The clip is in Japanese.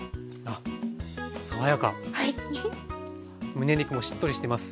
むね肉もしっとりしてます。